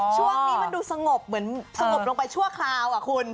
ช่วงนี้มันดูสงบเหมือนสงบลงไปชั่วคราวอ่ะคุณ